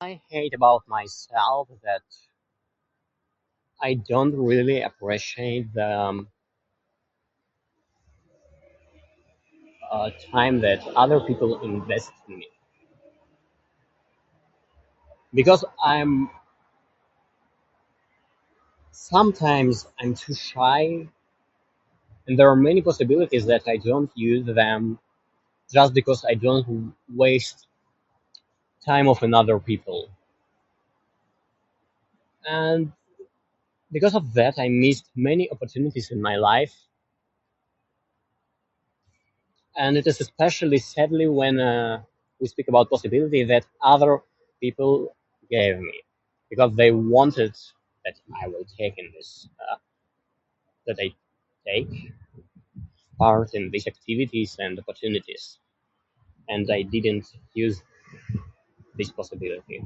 I hate about myself that... I don't really appreciate the um... uh time that other people invest in me. Because I'm... sometimes I'm too shy, and there are many possibilities that I don't use them... just because I don't waste time of another people. And, because of that I missed many opportunities in my life... and it is especially sadly when uh we speak about possibility that other people gave me, because they wanted that I would taken this uh that they take part in these activities and opportunities, and I didn't use this possibility.